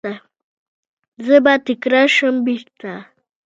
زه به تکرار شم بیرته